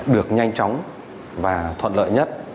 được nhanh chóng và thuận lợi nhất